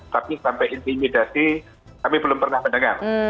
tapi sampai intimidasi kami belum pernah mendengar